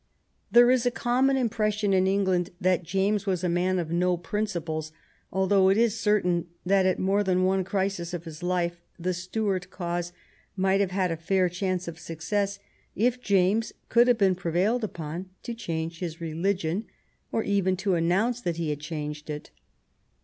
There is a common impression in England that James was a man of no principles, although it is certain that at more than one crisis of his life the Stuart cause might have had a fair chance of success if James could have been prevailed upon to change his religion, or even to announce that he had changed it.